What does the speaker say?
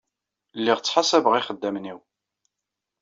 Lliɣ ttḥasabeɣ ixeddamen-inu.